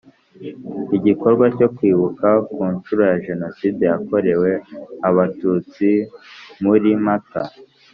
igikorwa cyo kwibuka ku nshuro ya Jenoside yakorewe Abatutsi muri mata